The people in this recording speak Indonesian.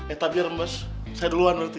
eh tapi ya rembes saya duluan berarti